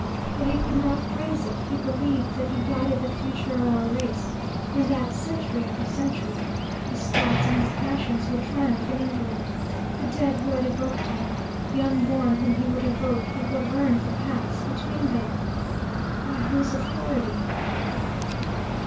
Though he could not phrase it, he believed that he guided the future of our race, and that, century after century, his thoughts and his passions would triumph in England. The dead who had evoked him, the unborn whom he would evoke he governed the paths between them. By whose authority?